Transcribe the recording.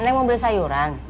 neng mau beli sayuran